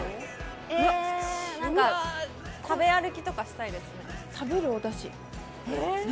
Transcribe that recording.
え何か食べ歩きとかしたいですね何？